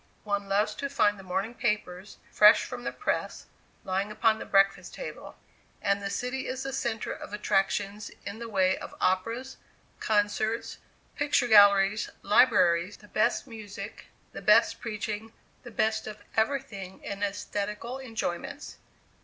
One loves to find the morning papers, fresh from the press, lying upon the breakfast table; and the city is the centre of attractions in the way of operas, concerts, picture galleries, libraries, the best music, the best preaching, the best of everything in æsthetical enjoyments.